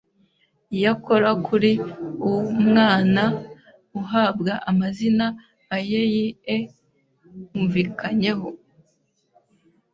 Iyakora kuri uu umwana ahawa amazina ayeyi e umvikanyeho